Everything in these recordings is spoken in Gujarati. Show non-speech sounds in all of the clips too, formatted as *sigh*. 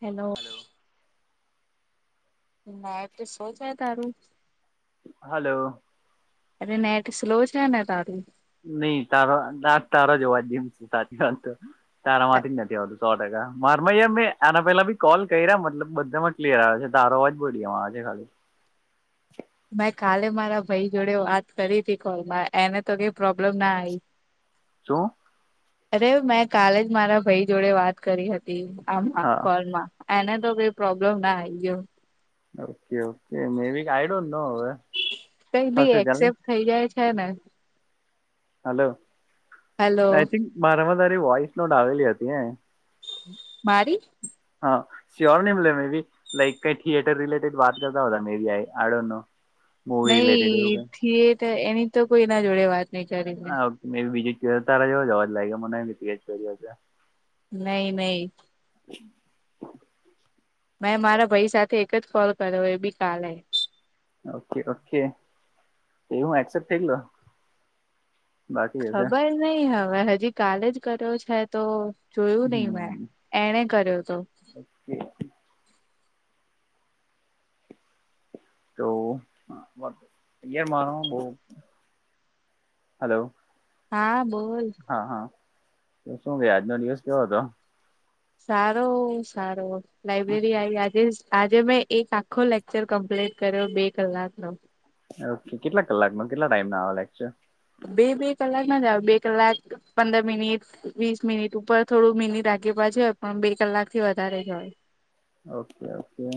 હેલો. હલો. નેટ સ્લો છે તારું? હલો. અ નેટ સ્લો છે ને તારુ? નહી તારો તારો જોવા જ જેમ સાચી વાત તો તારા માંથી જ નથી આવતું. સો ટકા મારમાં મેં એના પેલા બી કોલ કર્યા મતલબ બધામાં ક્લિયર આવ્યો છે તારો અવાજ બોડીમાં આવે છે ખાલી- - મેં કાલે મારા ભાઈ જોડે વાત કરી હતી કોલમાં એને તો કઈ પ્રોબ્લેમ ના આવી. શું અરે મેં કાલે જ મારા ભાઈ જોડે વાત કરી હતી આ હા કોલમાં. એને તો કઈ પ્રોબ્લેમ ના આઈ ગયો. Okay okay maybe I don't know હવે- - કઈક ભી એક્સેપ્ટ થઈ જાય છે ને. હલો હેલો આઈ થિંક મારામાં તારી વોઈસ નોડ આવેલી હતી. મારી? હા. શ્યોર ન બોલે મે બી લાઈક કઈ થિયેટર રિલેટેડ વાત કરતા હોતા મેરી I don't know movie related એવું નઈ કઈ થયેટ એની તો કોઈ ના જોડે વાત. નહી કરી મેં હા બીજ ચો તારા જો જવા જ લાગે મને ચોરી હ- - નહી નહી. *inaudible* મેં મારા ભાઈ સાથે એક જ કોલ કર્યો એ બી કાલે. ઓકે ઓકે એ હું એક્સેપ થઈ ગ- - ખબર નઈ હવે હજી કાલે જ કર્યો છે તો જોયું નહી મેં. હમ એણે કર્યો હતો. *inaudible* તો ામારો બ હલો- - હા બોલ. હા હા તો શું કે આજનો દિવસ કેવો હતો સારો સારો લાઈબ્રેરી આવી આજે આજે મેં એક આ ખો લેક્ચર કમ્પ્લીટ કર્યો બે કલાકનો ઓકે કેટલા કલાકમાં કેટલા ટાઈમના આવે લેક્ચર બે બે કલાક ના જ આવ બે કલાક પંદર મિનિટ વીસ મિનિટ ઉપર થોડું મિનીટ આગે પાછી હોય પણ બે કલાક થી વધારે જ હોય ઓકે ઓકે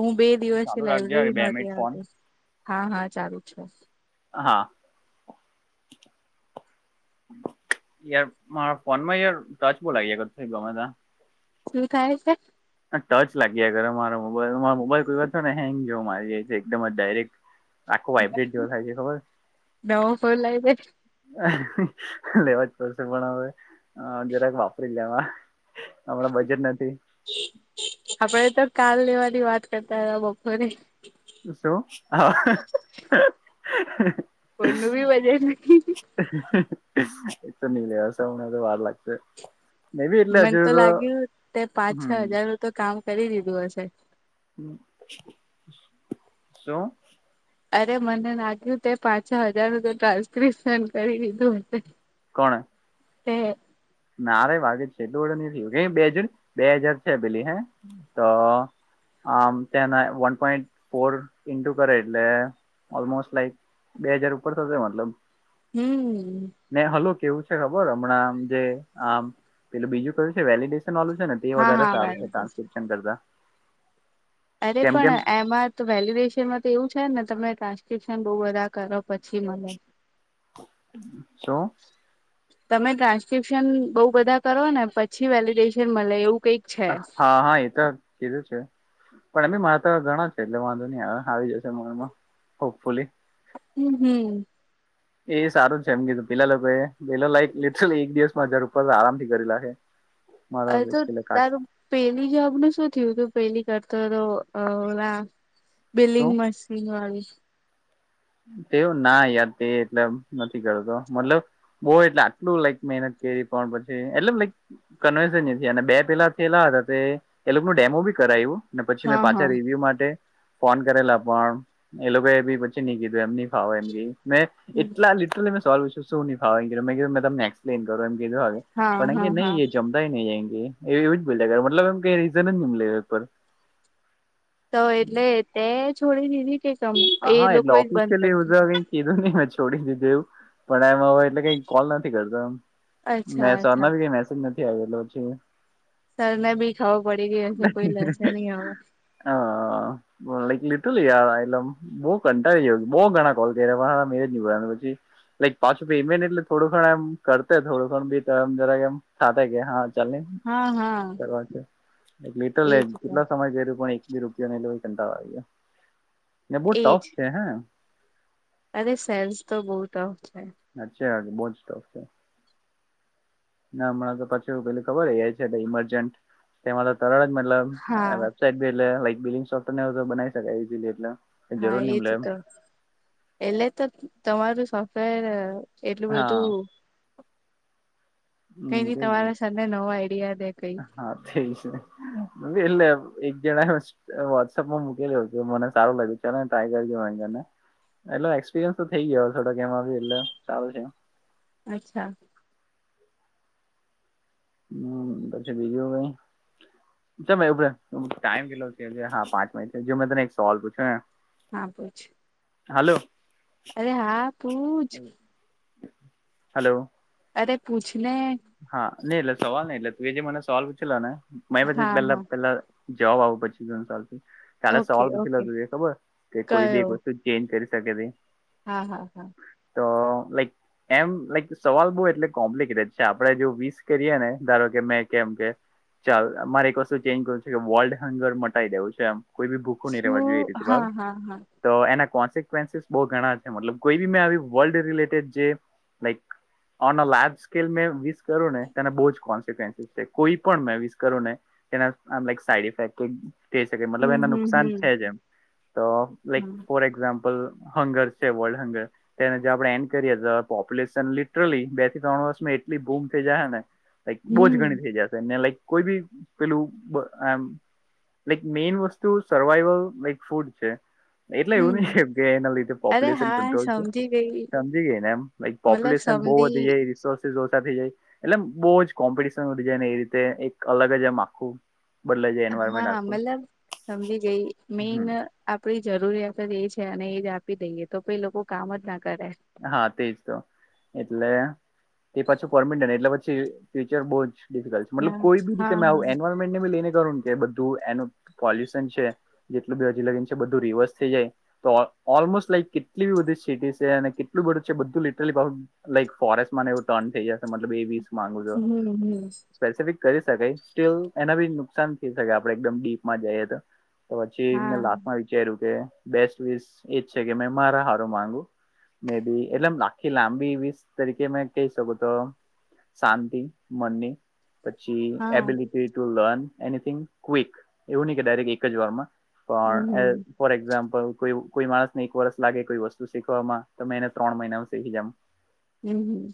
હું બે દિવસ ચાલુ રાખજો હવે લાઈબ્રેરી બે નોતી મિનિટ ફોન આવી હા હા ચાલુ છે હા યાર મારા ફોન માં યાર ટચ *unintelligible* કર ગમે ત શું થાય છે આ ટચ લાગીયા કરે મારા મોબાઈલમાં મોબાઈલ કોઈ વાર છે ને હેંગ જેવો મારી જાય છે એકદમ જ ડાયરેક્ટ આખૂ વાઇબ્રેટ જેવો થાય છે ખબર નવો ફોન લાઈબ્રેરી લેવા જ પડશે પણ હવે જરાક વાપરી લેવા હમણાં બજેટ નથી આપડે તો કાલ લેવાની વાત કરતા તા બપોરે શું હ હ હ કોઈનું બી બજેટ નહીં એક તો ની *unintelligible* વાર લાગશે મે બી એટલે મન હજુ તો લાગ્યું તે પાંચ છ હમ હજાર નું તો કામ કરી દીધું હશે શું અરે મને લાગ્યું તે પાંચ છ હજાર નું તો ટ્રાન્સક્રિપ્શન કરી દીધું હત કોણે તે નારે *unintelligible* નથી બે હજ બે હજાર છે પેલી હે તો આમ તેના વન પોઈન્ટ ફોર ઇન્ટુ કરે એટલે ઓલમોસ્ટ લાઈક બે હાજાર ઉપર થશે મતલબ હમ હમ ને હલો કેવું છે ખબર હમણાં આમ જે આમ પેલું બીજું કયું છે વેલીડેશન વાળું છે ને એ હા વધારે હા સારું છે વાંધો નઈ. ટ્રાન્સક્રિપ્શન કરતા અરે કેમ કેમ પણ એમાં તો વેલીડેશનમાં તો એવું છે ને તમે ટ્રાન્સક્રિપ્શન બઉ બધા કરો પછી મલે શું તમે ટ્રાન્સ્ક્રિપ્શન બઉ બધા કરો ને પછી વેલીડેશન મલે એવું કઈક છે હા હા એ તો કીધું છે પણ એમેં મારે તો ઘણા છે એટલે વાંધો નહી આવી જશે મનમાં હોપફુલી હમ હમ એ સારું છે એમ કીધું પેલા લોકો એ પેલા લાઈક લિટરલી એક દિવસ માં હજાર ઉપર આરામથી કરી લખે *inaudible* હજુ તારું પેલી જોબનું શું થયું તું પેલી કરતો હતો ઓલા શું બિલિંગ મશીન વાળું તેવું ના તે એટલે નથી કરતો મતલબ બહુ એટલે આટલું લાઈક મહેનત કરી પણ પછી એટલે મે કવેન્સ અને બે પેલા થેલા હતા તે એ લોકો નું ડેમો બી કરાયુ ને પછી મેં હા હા પાછા રિવ્યુ માટે ફોન કરેલા પણ એ લોકો એ બી ન કીધું એમ ની ફાવ એમ મેં એટલા લીટરલી મે સોલ્વ શું ની ફાવે મે તમને એક્સપ્લેન કરો એમ કીધું મેં હા પણ હા એમ હા નહી એ જમ નહીં *unintelligible* એવી જ બોલ મતલમ કઈ રીઝન જ તો એટલે તે છોડી દીધી કે કમ એ હા લોકો એટલે એ જ બંધ ઓફિશિયલી કરી હું તો કઈ દીધ કીધું નહી મેં છોડી દીધું એવું પણ એમ હવે એટલે કઈ કોલ નથી કરતો એમ મે અચ્છા અચ્છા સનાી કઈ મેસેજ નથી આવેલો પછી. સર ને બી ખાો પડી ગયો કોઈ લસે નહી હવે હ લખ લેતું આ આલમ બહુ કંટાળી જઉ બઉુ ઘણા કોલ કરી વાર મે જ ની ભ પછી. લાઈક પાછું પીમેન એટલે થોડુંણ એમ કર થોડુંણ બી જરામ થ કે હા. ચા હા હા લિટલ એજ તો કેટલા સમય ગ્યુ પણ બી રૂપયો ન લો કંટાળો આવી ગયો ને બહુ એજ ટોફ છે, હે અરે સેન્સ તો બહુ તો આવશે અચચા વાજે બહ જ સ્ટોક છે. ના હમણાં તો પછી પેલું ખબર હે એ આઇ છે ઈમરજન્ટ એમાં તો તરત જ હા મતલબ તે બિલ હે લાઈટ બીલીગ સોફ્ટ ને હેજે બનાઈ શકીએ ઈજલી એટલે જરૂર હા ની એ મલે જ એમ તો એટલે તો તમારું સોફ્ટવેર એટલું હા બધું કઈ હમ નઈ તેજ ને તમારા સાથે નવા આઈડિયા દે કઈ. હા થઈ છે એટલે એક જણા વોટ્સઅપ માં મૂકેલ્યો હતો, મને સારું લાગ્યું ચાલ ટ્રાય કરજો વારને એટલે એક્સપિરિયન્સ તો થઇ ગયો થોડાક એમાં ભી એટલે સારું છે. અચ્છા હમ પછી બીજું કઈ મે એવ ટાઈમ કેટલો હા પાંચ મિટ જો મેં તને એક સવાલ પૂછ્યો હા પૂછ હાલો. અરે હા તૂજ હલો અરે પૂછ ને હા નઈ એટલે સવાલ નઈ એટલે તું જે મને સવાલ પૂછેલો ને મેછી હા પેલા હા પેલા જવાબ આવો પછી ત્રણ સાલથી કાલે ઓકે સવાલ પૂછી ઓકે લેતો ખબર કે કોઈ બે કયો કો ચેન્જ કરી શકે છે. હા હા હા તો લાઈક એમ લાઈક સવાલ બહુ એટલે કોમ્પ્લિક ચા આપડે જો વિસ કરીએ ને ધારો કે મેં કેમ કે ચાલ અમારે એક વસ્તુ ચેન્જ કરું છે કે વોલ્ટ હેંગર મટાઈ દેવું છે એમ કોઈ ભી ભૂખો નહિ રહેવા જોએ શું રીતે બાવ હા હા હા તો એના કોન્સિકવન્સીસ બહુ ઘણા છે, મતલબ કોઈ બી મેં વર્લ્ડ રિલેટેડ જે લાઈક અનલાજ મે વિસ કરુને તે બહ જ કોન્સસ છે, કોઈ પણ મે વિસ કરુ ને તેના આમ ઇ સાઈડી ઇફેક્ટીગ તે શકે મતલબ હમ એના હમ નુકસાન હમ છે જ એમ તો લાઈક હા ફોર એક્ઝામ્પલ હંગર છે વર્લ્ડ હંગર તેને આપણે એન્ડ કરીએ તો પોપ્યુલેશન લિટરલી બે થી ત્રણ વર્ષ મા એટલી બૂમ થઈ જશે ને એક બહુ જ ઘણી હમ થઈ જશેને લક કોઈ બી પેલું બ એમ મે મેઈન વસ્તુ સર્વાઈવલ લાઈક ફૂડ છે. એટલે એવું હમ નઈ કેમ કે એના લીધે અરે પોપ્યુલેશન હા કંટ્રોલ છે. સમજી ગઈ સમજી ગયે ને એમ લ મતલબ પોપ્યુલેશન બહુ સમજી વધી જાય એ રિસોર્ તે ઓછા થઈ જાય એટલે બહુ જ કોમ્પિટશન વધી જાય ને એ રીતે એક અલગ જ એમ આખવું હા મતલબ સમજી ગઈ મેન હમ આપડી જરૂરિયાત જ એ છે અને એ જ આપી દઈએ તો પ એ લોકો કામ જ ના કરે હા તેજ તો એટલે તે પાછું કોરપરમિન્ટન એટલે પછી ફ્યુચર બહુ જ ડિફિકલ્ટ મતલબ ના કોઈ બી રીતે હા મે આવુ હા એનુવલ મેન્ટનેી લઈને કરું કે બધું એનું પોલ્યુશન છે. જેટલું બી હજીલગી છે બધું રિવર્સ થઈ જાય તો ઓલમોસ્ટ લાઈક કેટલી બ બધી સિટી છે, અને એટલું બધું છે બધું લીટરલી લાઈક ફોરેસ્ટ એવું ટન થ જશે મતલબ એવીસ મામાંગુ છો. હમ હમ સ્પેસિફિક કરી શકાય સ્ટીલ એના બી નુકસાન થઈ શકે આપડણે એકદમ ડીપમાં જઈએ તો તો પછી હા મેં લાસમાં વિચાર્યું કે બેસ્ટ વિસ એજ છે કે મે મારા હારો માંગુ મે બી એટલે આખી લાંબી વીસ તરીકે મે કહી શક તો શાંતિ મનની પછી હા ability to learn anything quick એવું નહી કે ડાયરેક્ટ એક જ વારમા હમ પણ હમ ફોર એક્ઝામ્પલ કોઈ માણસ ને એક વરષ લાગે કોઈ વસ્તુ શીખવામા તો મે ત્રણ મહિના સહી જમ હમ્મ હમ્મ.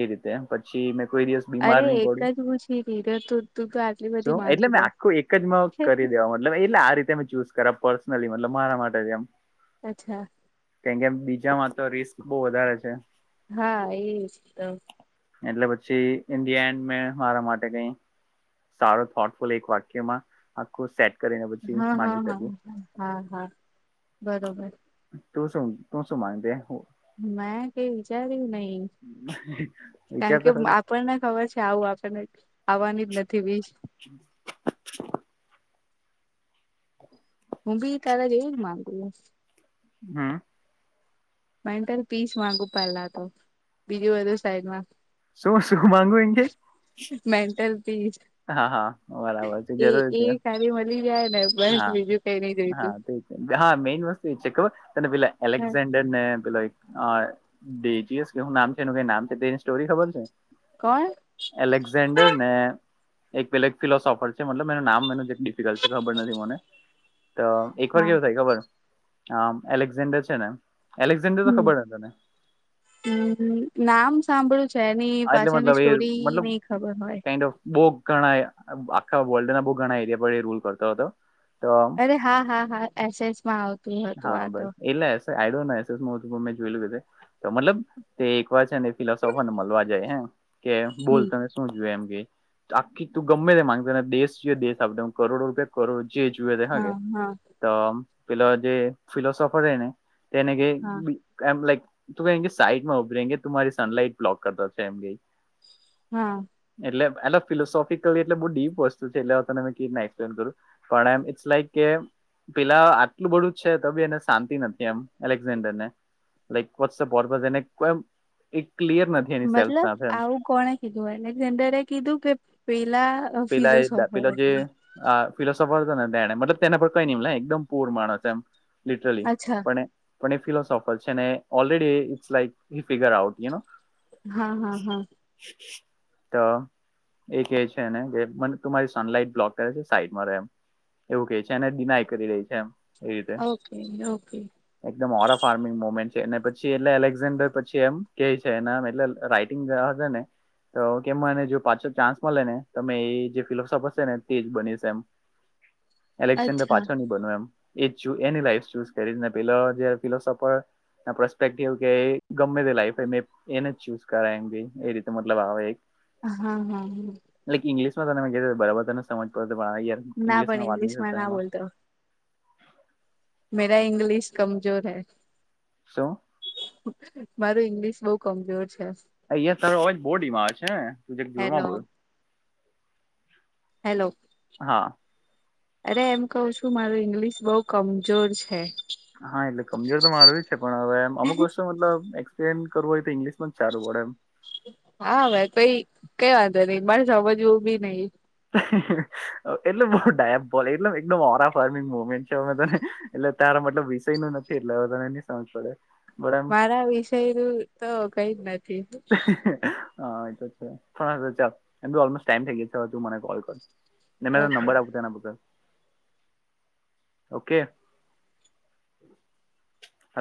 એ રીતે પછી મેં કોઈ દિવસ બીમાર અરે નહી પડું એક જ પૂછી તી તું તું તો આટલી બધી શું એટલે માંગી મેં લે આખું એક જ કરી દેવા માટે લ એટલે આ રીતે મે ચૂઝ કર પર્સનલી મતલબ મારા માટે જેમ અચ્છા કેમ કે બીજામાં તો રિસ્ક બહ વધારે છે. હા એ એટલે પછી ઇ ધી એન્ડ મે મારા માટે કઈ સારો થોટફુલ એક વાક્યમા આખું સેટ કરીને પછી હા હા માંગી હા શકુ હા હા બરોબર તું શું તું શું માને હ મેં કઈ વિચાર્યું નઈ વિચાર કારણ કે તો ખરી આપણને ખબર છે આવુ અને આવવાની જ નથી બી હમ હું બી તારેા જ એવું જ માંગુ હમ્મ મા ત્યારે પીસ માંગુ પેલા તો બીજું બધુ સાઈડમા શું શું માંગુ એ કે મેન્ટલ પીસ હા હા બરાબર છે એ જરૂર એ છે ખાલી મળી જાય ને બસ હા બીજું કઈ નઈ જોયતુ હા તે હા મેઇન વસ્તુ એ છે કે તને પેલા હા એલેક્ઝાન્ડર ને પે બેેજીયસ કે શું નામ છે એનું કઈ નામ છે તેની સ્ટોરી ખબર છે. કોણ એલેક્ઝાન્ડર ને એક પેલે એક ફિલોસોફર છે મતલબ એનું નામ ડિફિકલ્ટ છે ખબર નથી મને એક વાર હા કેવું થાય ખબર આ એલેક્ઝાન્ડર છે ને એલેક્ઝાન્ડર તો હમ ખબર તને હમ નામ સાંભળ્યું છે એની હા એટલે પાછળની મતલબ એ સ્ટોરી મતલબ નઈ ખબર હોય. કાઇન્ડ ઓફ બહુ ઘણા આખા વર્લ્ડના બહુ ઘણા એરિયા પર રૂલ કરતો હતો. તો અરે હા હા હા એસેએસ માં આવતું હતુ, આ તો મે જોય મતલબ તે એક વાર છે ને, ફિલોફરને મળ જ કે બોલ હમ તમે શું જોય એમ કે આખી તું ગમે તે માંગતાને દેશ જોઈએ દ આપડ કરોડો રૂપિયા કર જે જુએખ હા હા તો પે જે ફિસફરને તેને કે હા લક તું ક કે સાઈટમાં ઉભરે કે તુંરી સનલાઈટ બ્લોક કરતા તેમમ ગઈ હા એટલે એટલે ફિલોસોફિકલી એટલે બહ ડીપ વસ્તુ છે એટલે હ ત મેં ક રને એક્સપ્લેન કરું પણમ ઇટસ લાઈક પેલા આટલું બધું છે તો બી એને શાંતિ નથી એમ એલેક્ઝેન્ડર ને લાઈક વોટ્સપ વોને ક્લિયર નથી એની સેલ્ફ મતલબ સાથે આવું કોણે કીધું એરે કીધું કે પેલા પલાા એ ફિલોસોફર પ જે એટલે આ ફિલોસોફર છે ને તેને મતલબ તેને પર કઈ નહી એકદમ પૂર માણસ એમ લિટરલી અચ્છા પણ એ પણ એ ફિલોસોફર છે ને ઓલરેડી ઇટ્સ લાઈક હ ફિગર આઉટ ય હા હા હા તો એ કે છે મને તમારી સનલાઈટ બ્લોક કરે છે સાઈડમાં રહેમ એવું કે છે એને ડિનાય કરી રહી છે એમ ઓકે ઓકે એકમ ઓરા ફાર્મિંગ મુમેન્ટ છે પછી એટલે એલેક્ઝાન્ડર પછી એમ કે છેમટલેઈ હશે ને તો કેમ મને જો પાછો ચાન્સ મળે ને તમે એ જે ફિલોસોફર છે ને તે જ બનીશ એમ એલેક્સેન્ડ અચ્છા પાછો ન એની લને પે ફિલોસફર પ્રસ્પેક્ટિવ કે ગમે તે લાઈફ એને જ ચૂઝ કરાય એમ ગ એ રીતે મતલબ આવે એક હા હા હા એટલે ઇંગ્લશ માં તમે બરાબર તને સમજ પડ પણ યાર ના ઇંગ્શ પણ માં વાત ઇંગ્લિશમાં ના નકમાં બોલતો *inaudible* શો મારું ઇંગ્લિશ બહુ કમજોર છે અહં તારુંવેજ બોડીમાં છેને તું હેલો જોરમાં બોલ હેલો હા અરે એમ કહું છું મારું ઇંગ્લિશ બઉુ કમજોર છે હા એટલે કમજોર તો મારું છે પણ હવે અમુક વસ્તુ મતલબ એમ કરવું હોય તો ઈંગ્લિશમાં જ સારું પે એમ હા ભાઈ કઈ કઈ વાંધો નઈ મારે સમજવ બી નઈિ એટલે બહ ડાયબ બોલ એટ એકદમ ઓરા ફર્મિંગ મોમેન્ટ છેમે તને એટલે તારા મતલબ વિષય નું નથી એટલે તને ન સમજ પડે બરાબ મારા વિષય નું તો કઈ જ નથી. *inaudible* હા એ છે એલમો ટાઈમ થ ગ હો તું મને કલ કર ને મે તો ઓકે નંબર આપખતાના બધા ઓકે